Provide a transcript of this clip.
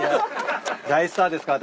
大スターですか？